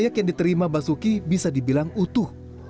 masukin ke tempat yang terima basuki bisa dibilang utuh